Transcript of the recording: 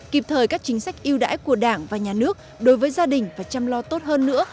kịp thời các chính sách yêu đãi của đảng và nhà nước đối với gia đình và chăm lo tốt hơn nữa